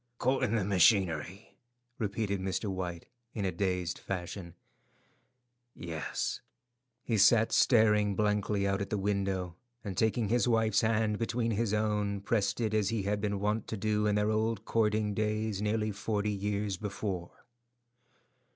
"Caught in the machinery," repeated Mr. White, in a dazed fashion, "yes." He sat staring blankly out at the window, and taking his wife's hand between his own, pressed it as he had been wont to do in their old courting days nearly forty years before.